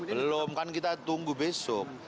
belum kan kita tunggu besok